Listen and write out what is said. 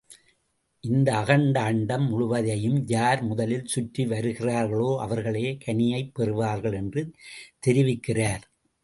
இந்த அகண்ட அண்டம் முழுவதையும் யார் முதலில் சுற்றி வருகிறார்களோ, அவர்களே கனியைப் பெறுவார்கள் என்று தெரிவிக்கிறார்.